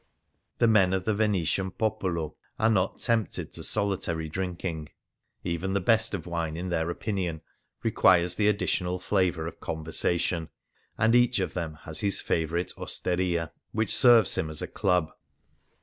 The men of the Venetian popolo are not tempted to solitary drinking. Even the best of wine in their opinion requires the additional flavour of conversation ; and each of them hsis his favourite osteria, H7 A GONDOLIER Varia which serves him as a club.